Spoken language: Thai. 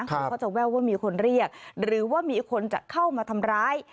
เขาก็จะแววว่ามีคนเรียกหรือว่ามีคนจะเข้ามาทำร้าย